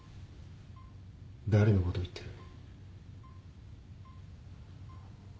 誰のことを言ってる？